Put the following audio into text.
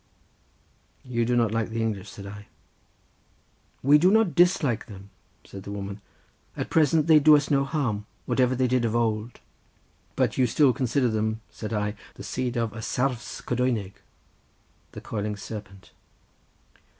"You do not like the English," said I. "We do not dislike them," said the woman; "at present they do us no harm, whatever they did of old." "But you still consider them," said I, "the seed of Y Sarfes cadwynog, the coiling serpent."